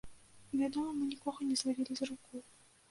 Вядома, мы нікога не злавілі за руку.